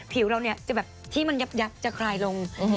ผิวเราเนี่ยจะแบบที่มันยับจะคลายลง